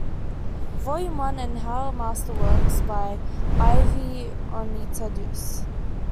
Volume One", and "How a Master Works" by Ivy Oneita Duce.